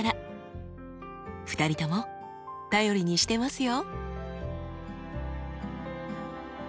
２人とも頼りにしてますよ。